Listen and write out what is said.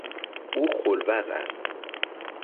او خل وضع است.